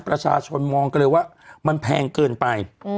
ประชาชนมองกันเลยว่ามันแพงเกินไป